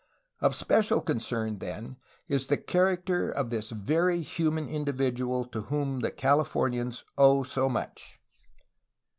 Of special concern, then, is the character of this very human individual to whom Californians owe so much.